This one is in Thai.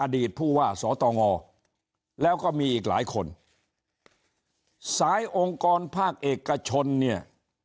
ผู้ว่าสตงแล้วก็มีอีกหลายคนสายองค์กรภาคเอกชนเนี่ย